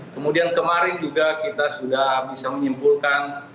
kemudian kemarin juga kita sudah bisa menyimpulkan